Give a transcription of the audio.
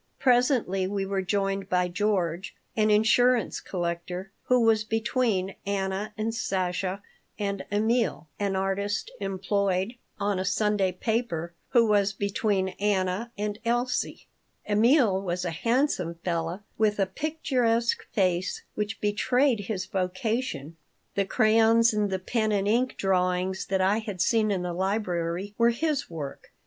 Presently we were joined by George, an insurance collector, who was between Anna and Sasha, and Emil, an artist employed on a Sunday paper, who was between Anna and Elsie. Emil was a handsome fellow with a picturesque face which betrayed his vocation. The crayons and the pen and ink drawings that I had seen in the library were his work.